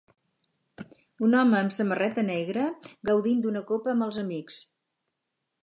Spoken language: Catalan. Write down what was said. Un home amb samarreta negra gaudint d'una copa amb els amics.